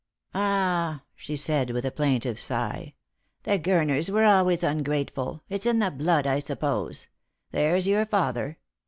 " Ah !" she said, with a plaintive sigh, " the Gurners were always ungrateful. It's in the blood, I suppose. There's your father.